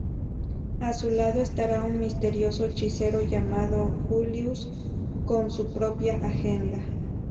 A su lado estará un misterioso hechicero llamado Julius, con su propia agenda.